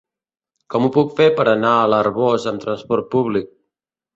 Com ho puc fer per anar a l'Arboç amb trasport públic?